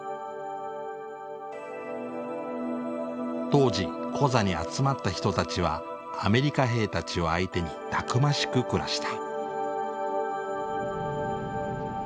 当時コザに集まった人たちはアメリカ兵たちを相手にたくましく暮らした。